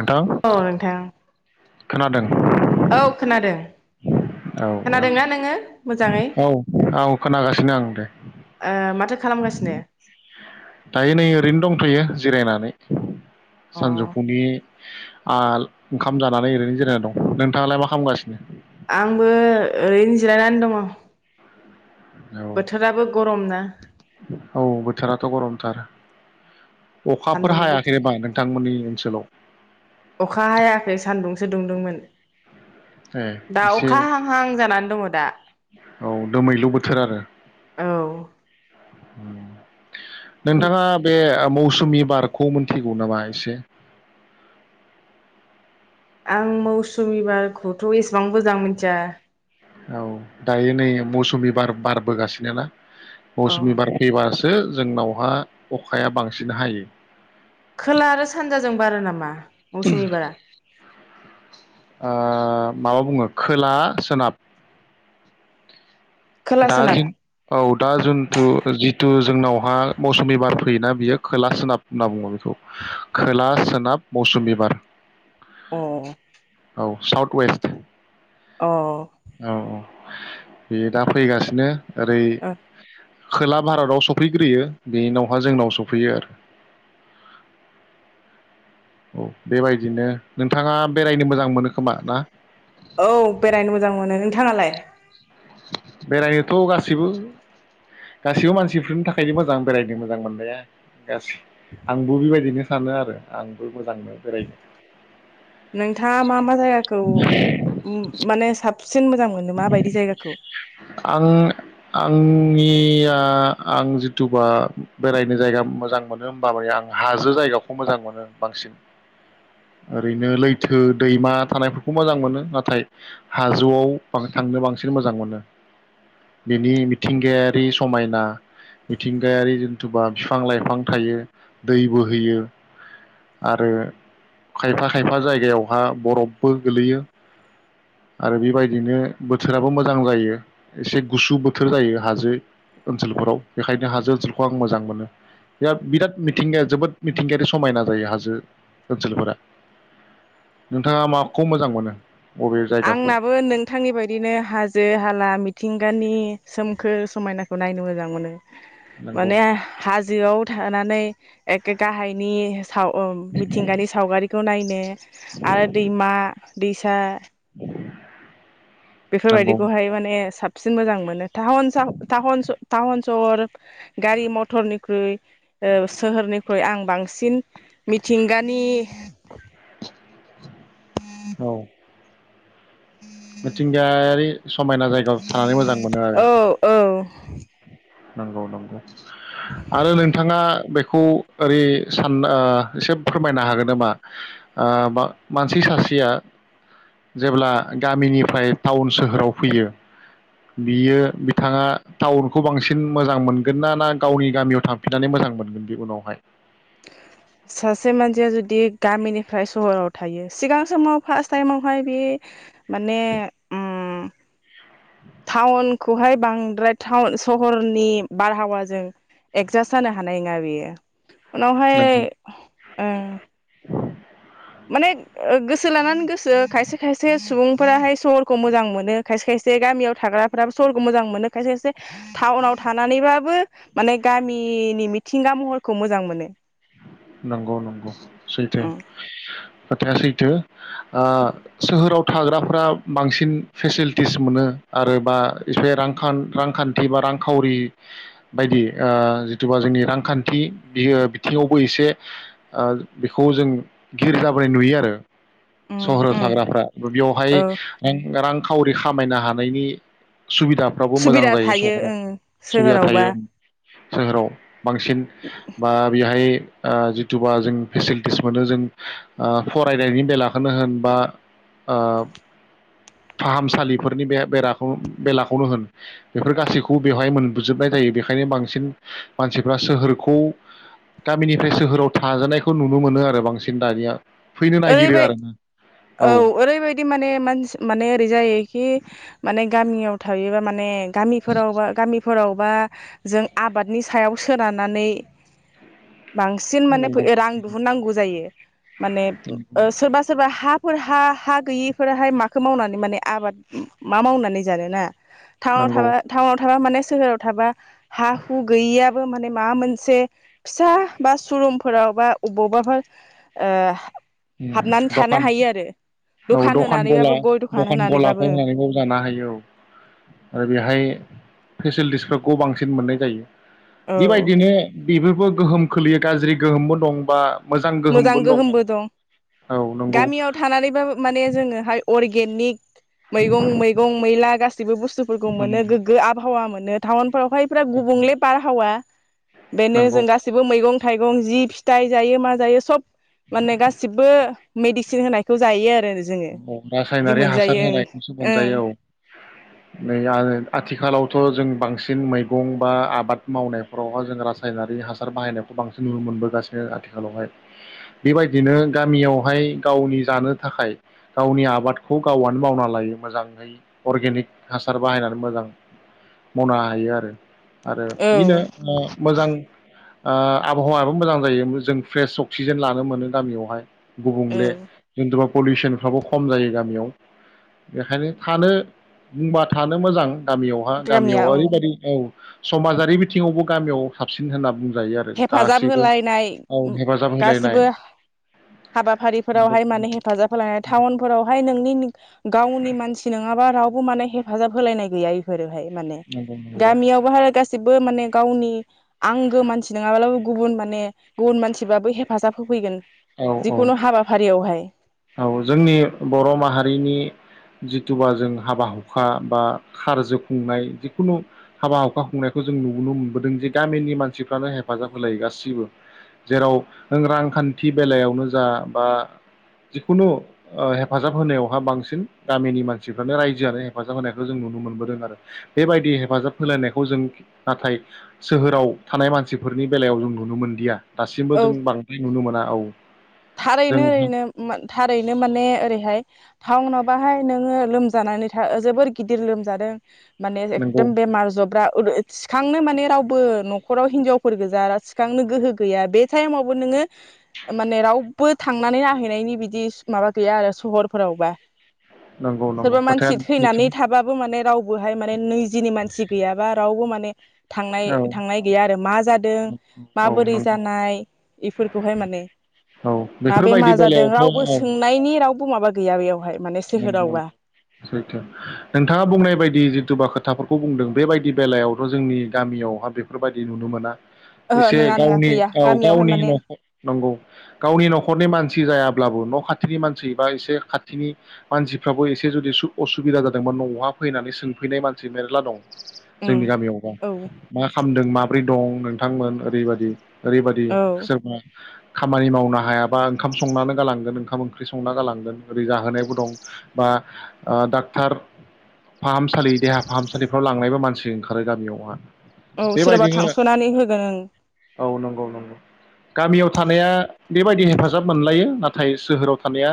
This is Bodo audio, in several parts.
नोंथां औ नोंथां खोनादों औ खोनादों औ खोनादोंना नोङो मोजाङै औ औ औ खोनागासिनो आं दे ओ माथो खालामगासिनो दायो नै ओरैनो दंथयो जिरायनानै अ सानजौफुनि ओ ओंखाम जा- नानै ओरैनो जिरायनाय दं नोंथाङालाय मा खामगासिनो आंबो ओरैनो [unintelligible] औ बोथोराबो गरम ना औ बोथोराथ गरमथार अखाफोर सान्दुंबो हायाखै एबा नोंथांमोननि ओनसोलाव अखा हायाखै सान्दुंसो दुंदोंमोन ए दा एसे अखा हांहां जानानै दङ दा औ दोमैलु बोथोर आरो औ उम नोंथाङा बे मौस मि बारखौ मोनथिगौ नामा एसे आं मौसुमि बारखौथ एसे बां मोजां मिथिया औ दायो नै मौसुमि बार बारबोगासिनो ना अ मौसुमि बार फैबास सो जोंनावहा अखाया बांसिन हायो‌ खोला आरो सानजाजों बारो नामा मौसुमि बारा? ओ माबा बुङो खोला सोनाब खोला दा सोनाब जिन औ दा जन्थु जिथु जोंनावहा मौसुमि बार फैयोना बियो खोला सोनाब होनना बुङो बेखौ खोला सोनाब मौसुमि बार अ औ साउथ वेस्ट अ औ औ बे दा फैगासिनो ओरै खोला भारताव सफैग्रोयो बेनावहा जोंनाव सफैयो आरो। औ बेबायदिनो नोंथाङा बेरायनो मोजां मोनो खोमा ना? औ बेरायनो मोजां मोनो नोंथाङालाय? बेरायनोथ' गासैबो गासैबो मानसिफोरनि थाखायनो मोजां बेरायनो मोजां मोननाया। गासै आंबो बेबायदिनो सानो आरो आंबो मोजां मोनो बेरायनो। नोंथाङा मा मा जायगाखौ माने साब सिन मोजां मोनो माबायदि जायगाखौ‌? आं आंनिया आं जिथुबा बेरायनो जायगा मोजां मोनो होमबा माने आं हाजो जायगाखौ मोजां मोनो बांसिन ओरैनो लैथो दैमा थानायफोरखौ मोजां मोनो नाथाय हाजोआव बां थांनो बांसिन मोजां मोनो बेनि मिथिंगायारि समायना मिथिंगायारि जन्थुबा बिफां लाइफां थायो दैबो होयो आरो खायफा खायफा जायगायावहा बरफबो गोलैयो आरो बेबायदिनो बोथोराबो मोजां जायो एसे गुसु बोथोर जायो हाजो ओनसोलफोराव बेखायनो हाजो ओनसोलखौ आं मोजां मोनो बे बिराद मिथिंगाया जोबोद मिथिंगायारि समायना जायो हाजो ओनसोलफोरा नोंथाङा माखौ मोजां मोनो? बबे जायगाखौ आंनाबो नोंथांनि बाय‌ दिनो हाजो हाला मिथिंगानि सोमखोर समायनाखौ नायनो मोजां मोनो। नंगौ माने हाजोआव थानानै एखे गाहायनि साव अ मिथिंगानि सावगारिखौ नायनो आरो दैमा दैसा [unintelligible] नंगौ बेफोरबायदिखौहाय माने साब सिन मोजां मोनो। [unintelligible] सहर गारि मथरनिख्रुइ ओ सोहोरनिख्रुइ आं बांसिन मिथिंगानि औ मिथिंगायारि समायना जायगायाव थानानै मोजां मोनो औ आरो औ नंगौ नंगौ आरो नोंथाङा बे खौ ओरै सान ओ एसे फोरमायनो हागोन नामा ओ मानसि सासेआ जेब्ला गामिनिफ्राय टाउन सोहोराव फैयो बियो बिथाङा टाउनखौ बांसिन मोजां मोनगोन ना ना गावनि गामियाव थांफिननानै मोजां मोनगोन बे उनावहाय सासे मानसिया जुदि गामिनि ओमफ्राय सहराव थायो सिगां समाव फार्स्ट टाइमावहाय बे माने उम टाउनखौहाय बांद्राय टाउन सहरनि बारहावाजों एगजास्ट जानो हानाय नङा बेयो उनावहाय नंगौ ओ माने गोसो लानानै गोसो खायसे खायसे सुबुंफोराहाय सहरखौ मोजां मोनो खायसे खायसे गामियाव थाग्राफोराबो सहरखौ मोजां मोनो खायसे खायसे टाउनाव थानानैबाबो माने गामिनि मिथिंगा महरखौ मोजां मोनो नंगौ नंगौ सैथो उम खोथाया सैथो ओ सोहोराव थाग्राफ्रा बांसिन फेसिलिटिस मोनो आरो बा एसे रां रांखान्थि बा रांखावरि बायदि ओ जिथुुबा जोंनि रांखान्थि बियो थिङावबो एसे ओ बेखौ जों गिर जाबोनाय नुयो आरो उम सहराव उम थाग्राफ्रा बेयावहाय औ रां खावरि खामायनो हानायनि सुबिदाफ्राबो मोजां सुबिदा जायो थायो सहराव ओं सुबिदा सोहोरावबा थायो सोहोराव बांसिन बा बेहाय ओ जिथुबा जों फेसिलिटिस मोनो जों ओ फरायनायनि बेलाखौनो होन बा ओ फाहामसालिफोरनिखौ बेलाखौनो होन बेफोर गासैखौबो बेवहाय मोनबोजोबनाय थायो बेखायनो बांसिन मानसिफ्रा सोहोरखौ ‌ गामिनिफ्राय सोहोराव थाजानायखौ नुनो मोनो आरो बांसिन दानिया फैनो नागिरो ओरैबाय आरोना औ ओरैबायदि माने मानसि माने ओरै जायोखि माने गामियाव थायोबा माने गामिफोरावबा गामि फोरावबा जों आबादनि सायाव सोनारनानै बांसिन माने नंगौ रां दिहुननांगौ जायो माने ओ सोरबा सोरबा हा हाफोर हा हा गैयिफोराहाय माखौ मावनानै माने आबाद मा मावनानै जानोना टाउन नंगौ थाग्रा टाउन थाबा माने सोहोराव थाबा हा हु गैयियाबो माने माबा मोनसे फिसा बा सुरुमफोराव बा बबावबाफोर ओ हाबनानै थानो दखान हायो आरो औ दखान गला होनानैबाबो गय दखान गलाखौ होनानैबाबो होनानैबाव जानो हायो औ आरो बेहाय फेसिलिटिसफोर खौ बांसिन मोननाय जायो। औ बेबायदिनो बेबोबो गोहोम खोलैयो गाज्रि गोहोमबो दं बा मोजां गोहोमबो दं आरो औ नंगौ गामियाव थानानैबाबो माने जोङोहाय अरगेनिक मैगं मैगं मैला गास जेबो बुस्थुफोरखौ मोनो गोग्गो आबहावा मोनो। थावन फोरावहाय बिराद गुबुंग्ल बारहावा बेनो नंगौ जों गासैबो मैगं थाइगं जि फिथाइ जायो मा जायो सब माने गासिबो मेडिसिन होनायखौ जायो। आरो जोङो औ बिदि राखायनारि हासार मोनजायो होनायखौसो ओं मोनजायो औ नै आ आथिखालाव थ' जों बांसिन मैगं बा आबाद मावनायफोरावहाय जों रासायनारि हासार बाहायनायखौ बांसिन नुनो मोनबोगासिनो आथिखालावहाय बेबायदिनो गामियावहाय गावनि जानो थाखाय गावनि आबादखौ गावआनो मावना लायो मोजाङै अर्गेनिक हासार बाहायनानै मोजां मावनो हायो आरो आरो ओं बिनो ओ मोजां आ आबहावायाबो मोजां जायो जों फ्रेस अक्सिजेन लानो मोनो गामियावहाय औ गुबुंले इनद्रब पलिसोन फ्राब खम जायो गामियाव बेखायनो थानो बुंबा थानो मोजां गामियावहा गामियाव गामिया औ ओरैबायदि औ समाजारि बिथिङावबो गामियाव साबसिन होनना बुं हेफाजाब होलायनाय हेफाजाब होलायनाय गासिबो नंगौ हाबाफारिफोरावहाय माने नंगौ हेफाजाब होलायनाय टाउनफोरावहाय नोंनि गावनि मानसि नङाबा रावबो माने हेफाजाब होलायनाय गैया बेफोरोहाय माने नंगौ नंगौ गामियावबा गासिबो माने गावनि आंगो मानसि नङाब्लाबो गुबुन माने गुबुन मानसिबाबो हेफाजाब होफैगोन औ औ जिखुनु हाबाफारियावहाय औ जोंनि बर' माहारिनि जिथुबा जों हाबा हुखा बा खारज खुंनाय जिखुनु हाबा हुखा खुंनायखौ जों नुबोननो मोनबोदों जे गामिनि मानसिफ्रानो हेफाजाब होलायो गासिबो जेराव रांखान्थि बेलायावनो जा बा जिखुनु ओ हेफाजाब होनायावहा बांसिन गामिनि मानसिफ्रानो रायजोआनो हेफाजाब होनायखौ जों नुनो मोनबोदों आरो बेबायदि हेफाजाब होलायनायखौ जों नाथाय सोहोराव थानाय मानसिफोरनि बेलायाव जों नुनो मोनदिया दासिमबो जों औ बांद्राय नुनो मोना औ जों थारैनो ओरैनो। थारैनो माने ओरैहाय टाउनाव बाहाय नोङो लोमजानानै था जोबोर गिदिर लोमजादों। माने नंगौ एकदम बेमार जब्रा ओ थांनो माने रावबो न'खराव हिनजावफोर गोजा थिखांनो गोहो गैया बे टाइमावबो नोङो माने राव बो थांनानै नायहैनायनि बिदि माबा गैया आरो सहरफोरावबा। नंगौ नंगौ सोरबा खोथाया मानसि सैथो थैनानै थाबाबो माने रावबोहाय माने निजिनि मानसि गैयाबा रावबो माने थांनाय औ थांनाय गैया आरो मा जादों औ माबोरै नंगौ जानाय बेफोरखौहाय माने। औ माबे मा बेफोरबायदि बेमा जादों बेलायावहाय रावबो औ सोंनायनि रावबो माबा गैया बेयावहाय माने सोहोरावबा नोंथाङा बुंनाय बायदि जिथुबा खोथाफोरखौ बुंदों बेबायदि बेलायावथ' जोंनि गामियावहा बेफोरबायदि नुनो मोना। ओहो एसे नङा नङा गावनि गैया औ गामियावहाय गावनि माने न'खर नंगौ गावनि न'खरनि मानसि जायाब अब्लाबो न' खाथिनि मानसि बा एसे खाथिनि मानसिफ्राबो एसे जुदि सु असुबिदा जादोंबा न'आव फैनानै सोंफैनाय मानसि मेरला दं। उम जोंनि गामियावबा। औ मा खामदों मा माब्रै दं नोंथांमोन ओरैबादि। ओरैबायदि औ सोरबा खामानि मावनो हायाबा ओंखाम संनानै गालांगोन ओंखाम ओंख्रि संना गालांगोन ओरै जाहोनायबो दं बा ओ डाक्टर फाहामसालि देहा फाहामसालिफ्राव लांनायबो मानसि ओंखारो गामियावहा औ सोरबा बेबायदिनो थांस'नानै होगोन ओं। औ नंगौ नंगौ गामियाव थानाया बेबायदि हेफाजाब मोनलायो नाथाय सोहोराव थानाया।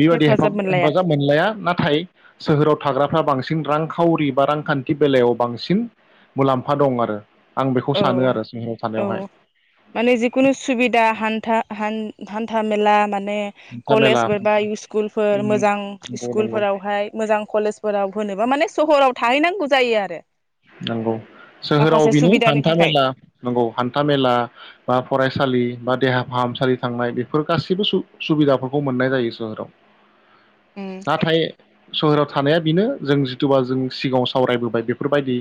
बेबायदि हेफाजाब हेफाब मोनलाया हेफाजाब मोनलाया नाथाय सोहोराव थाग्रा बांसिन रांखावरि बा रांखान्थि बेलायाव बांसिन मुलाम्फा दं आरो। आं बेखौ औ सानो आरो सोहोराव औ थानायावहाय माने जिखुनु सुबिदा हान्था हान हान्था मेला माने माने हान्था मेला कलेजफोर बा इसकुल फोर मोजां नंगौ नंगौ स्कुलफोरावहाय मोजां कलेजफोराव होनोबा माने सहराव। थाहैनांगौ जायो आरो। नंगौ सोहोराव माखासे बेनो हान सुबिदानि थाखाय हान्थामेला नंगौ हान्था मेला बा फरायसा लि बा देहाफाहामसालि थांनाय बेफोर गासैबो सु-सुबिदाफोरखौ मोननाय जायो सोहोराव। उम नाथाय सहराव थानाया बेनो जों जिथुबा जों सिगाङाव सावरायबोबाय बेफोरबायदि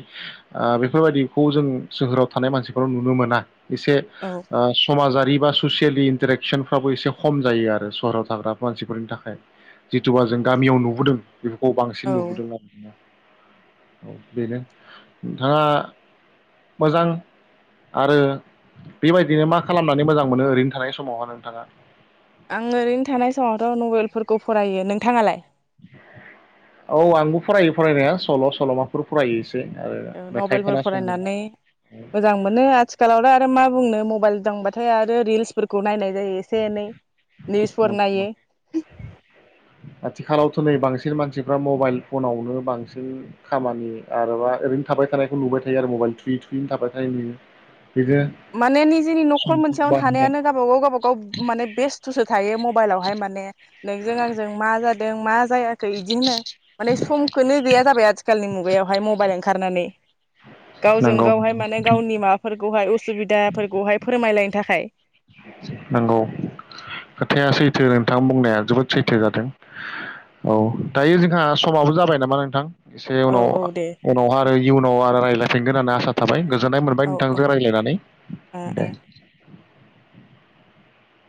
ओ बेफोरबायदिखौ जों सोहोराव थानाय मानसिफोराव नुनो मोना एसे औ ओ समाजारि बा ससियेलि इन्टारेकसनफ्राबो एसे खम जायो आरो सहराव थाग्रा मानसिफोरनि थाखाय। जिथुुबा जों गामियाव नुबोदों बेफोरखौ बांसिन नुबोदों आरोखि ना? औ बेनो थाङा मोजां आरो बेबायदिनो मा खालामनानै मोजां मोनो ओरैनो थानाय समावहाय नोंथाङा? आं ओरैनो थानाय समावथ' नभेलफोरखौ फरायो नोंथाङालाय? औ आंबो फरायो फरायनाया सल' सल'माफोर फरायो आरो ओ मेथाइ नबेलफोर खोनासङो फरायनानै मोजां मोनो आथिखालावलाय आरो मा बुंनो मबाइल दां बाथाय आरो रिल्सफोरखौ नायनाय जायो एसे एनै निउसफोर नंगौ नायो नंगौ। आथिखालावथ' नै बांसिन मानसिफ्रा मबाइल फनावनो बांसिन खामानि आरोबा ओरैनो थाबाय थानायखौ नुबाय थायो आरो मबाइल थुयै थुयैनो थाबाय थानाय नुयो। बिदिनो माने निजेनि न'खर समखौ मोनसेयावनो बारहोनाय थानायानो गावबा गाव गावबागाव माने बेस्थ'सो थायो मबाइलावहाय माने नोंजों आंजों मा जादों मा खै इदि होनो माने समखोनो गैया जाबाय आ थिखालनि मुगायावहाय मोबाइल ओंखारनानै गावजों नंगौ गावहाय माने गावनि माबाफोरखौहाय उ सुबिदाफोरखौहाय फोरमायलायनो थाखाय। नंगौ खोथाया सैथो नोंथां बुंनाया जोबोद सैथो जादों। औ दायो जोंहा समाबो जाबाय नामा नोंथां? एसे औ औ उनाव दे उनावहा आरो इयुनाव आरो रायज्लायफिनगोन होननानै आसा थाबाय गोजोननाय मोनबाय औ नोंथांजों रायज्लायनानै ओ ओ दे। [inaudible]